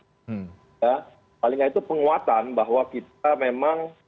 ya paling tidak itu penguatan bahwa kita memang